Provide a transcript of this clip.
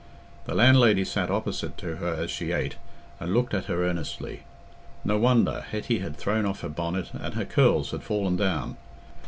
The landlady sat opposite to her as she ate, and looked at her earnestly. No wonder: Hetty had thrown off her bonnet, and her curls had fallen down.